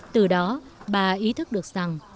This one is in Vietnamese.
từ đó bà ý thức được rằng